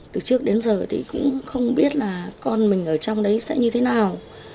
từ trước đến giờ thì cũng không biết là con mình ở trong đấy sẽ như thế nào